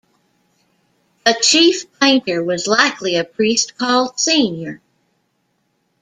The chief painter was likely a priest called Senior.